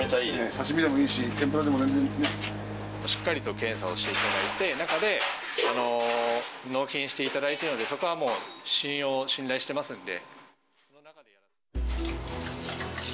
刺身でもいいし、しっかりと検査をしていただいた中で納品していただいてるので、そこはもう信用、信頼してますんで。